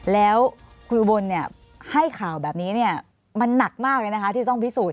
แล้วคุณอุบลให้ข่าวแบบนี้มันหนักมากเลยนะคะที่ต้องพิสูจน